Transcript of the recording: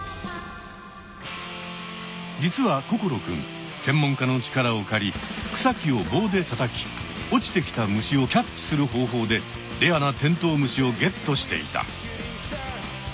実は心くん専門家の力を借り草木を棒でたたき落ちてきた虫をキャッチする方法でレアなテントウムシをゲットしていた。